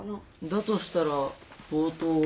だとしたら冒頭は。